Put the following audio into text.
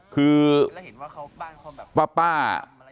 คือป้า